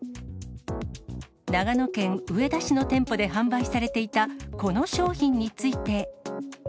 長野県上田市の店舗で販売されていたこの商品について。